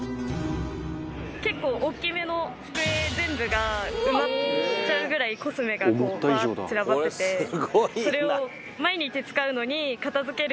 結構大きめの机全部が埋まっちゃうぐらいコスメがバーッて散らばっててそれを。